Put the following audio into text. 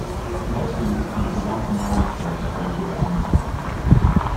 "Wetu" is the Wampanoag term for a wigwam dwelling.